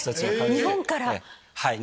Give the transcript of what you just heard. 日本から。